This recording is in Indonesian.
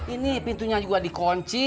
ini pintunya juga dikunci